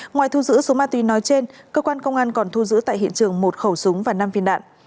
ngoài thu giữ số ma túy nói trên cơ quan công an còn thu giữ tại hiện trường một khẩu súng và năm viên đạn